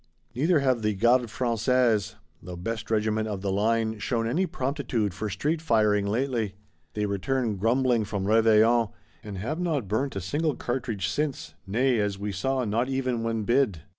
Neither have the Gardes Françaises, the best regiment of the line, shown any promptitude for street firing lately. They returned grumbling from Réveillon's; and have not burnt a single cartridge since; nay, as we saw, not even when bid.